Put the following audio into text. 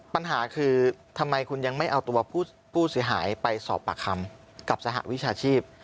ปัญหาคือทำไมคุณยังไม่เอาตัวผู้เสียหายไปสอบปากคำกับสหวิชาชีพ